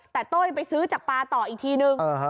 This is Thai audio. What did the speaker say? แต่โต้ยไปซื้อจากปลาต่ออีกทีนึง